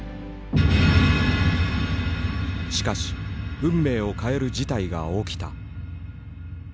しかし運命を変える事態が起きた。